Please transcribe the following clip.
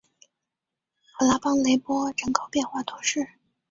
普拉邦雷波人口变化图示